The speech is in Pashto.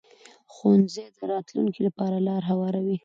ښوونځی د راتلونکي لپاره لار هواروي